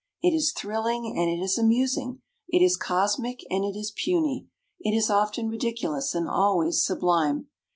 It is thrilling and it is amusing; it is cosmic and it is puny. It is often ridiculous and always sublime.